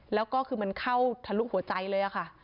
แล้วก็คือมันเข้าทะลุหัวใจเลยค่ะ